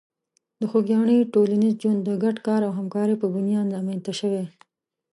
د خوږیاڼي ټولنیز ژوند د ګډ کار او همکاري په بنیاد رامنځته شوی.